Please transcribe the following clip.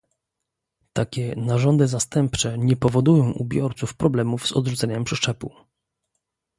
Takie narządy zastępcze nie powodują u biorców problemów z odrzuceniem przeszczepu